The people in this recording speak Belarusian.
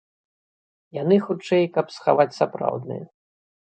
Яны, хутчэй, каб схаваць сапраўдныя.